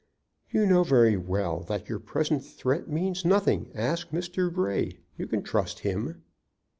"You know very well that your present threat means nothing. Ask Mr. Grey. You can trust him."